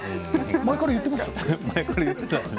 前から言っていましたっけ。